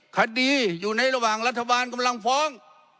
คดีอยู่ในระหว่างรัฐบาลกำลังฟ้อง